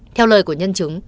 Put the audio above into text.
theo lời của nhân chứng